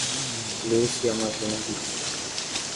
Lucy é uma jornalista.